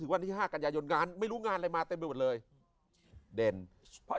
วันที่๕กันยายนงานไม่รู้งานอะไรมาเต็มไปหมดเลยเด่นเพราะ